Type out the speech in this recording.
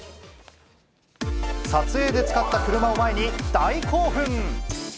撮影で使った車を前に大興奮。